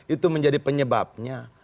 itu menjadi penyebabnya